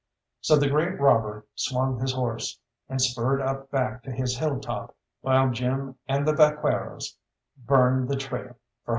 So the great robber swung his horse, and spurred up back to his hilltop, while Jim and the vaqueros burned the trail for home.